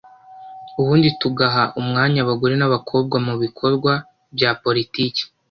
ubundi tugaha umwanya abagore n’abakobwa mu bikorwa bya politiki